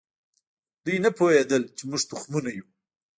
دوی نه پوهېدل چې موږ تخمونه یو.